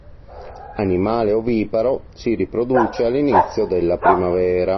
Animale oviparo, si riproduce all'inizio della primavera.